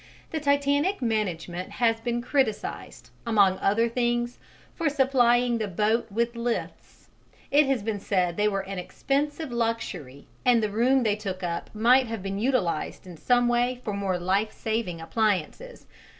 The Titanic management has been criticised, among other things, for supplying the boat with lifts: it has been said they were an expensive luxury and the room they took up might have been utilized in some way for more life saving appliances.